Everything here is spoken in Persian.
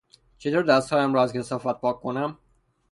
چطور دستهایم را از کثافت پاک کنم؟